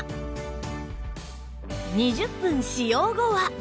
２０分使用後は